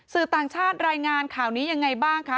สื่อต่างชาติรายงานข่าวนี้ยังไงบ้างคะ